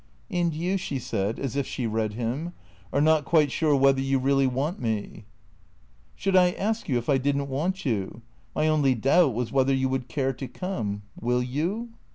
" And you," she said, as if she read him, " are not quite sure whether you really want me ?"" Should I ask you if I did n't want you ? My only doubt was whether you would care to come. Will you